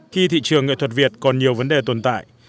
khi thị trường nghệ thuật việt còn nhiều vấn đề tồn tại